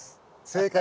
正解！